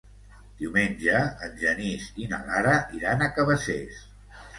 Diumenge en Genís i na Lara iran a Cabacés.